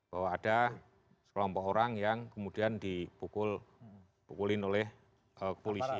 bahwa ada kelompok orang yang kemudian dipukul dipukulin oleh kepolisi